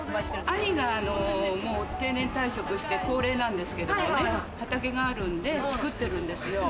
兄が定年退職して高齢なんですけど畑があって作ってるんですよ。